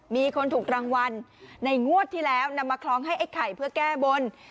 มีคนถูกรางวัลในงวดที่แล้วนำมาคล้องให้ไอ้ไข่เพื่อแก้บน